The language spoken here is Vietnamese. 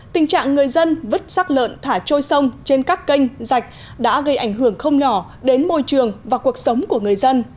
tình trạng người dân vứt sắc lợn thả trôi sông trên các kênh dạch đã gây ảnh hưởng không nhỏ đến môi trường và cuộc sống của người dân